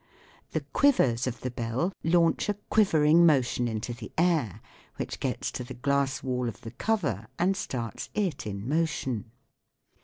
The quivers of the bell launch a quivering motion into the air, which gets to the glass wall of the cover and starts it in motion.